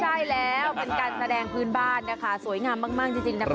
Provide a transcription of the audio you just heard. ใช่แล้วเป็นการแสดงพื้นบ้านนะคะสวยงามมากจริงนะคะ